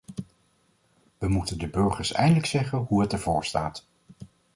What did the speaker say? We moeten de burgers eindelijk zeggen hoe het ervoor staat.